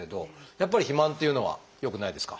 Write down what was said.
やっぱり肥満っていうのは良くないですか？